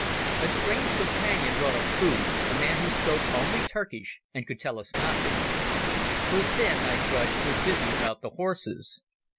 A strange Companion brought us food, a man who spoke only Turkish and could tell us nothing; Hussin, I judged, was busy about the horses.